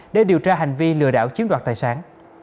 để điều tra hành vi lừa đảo chiếm đoạt tài sản